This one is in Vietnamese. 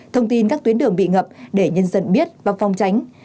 thông tin các tuyến đường bị ngập để nhân dân biết và phòng tránh